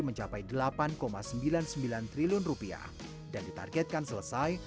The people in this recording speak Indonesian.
mencapai delapan sembilan puluh sembilan triliun rupiah dan ditargetkan selesai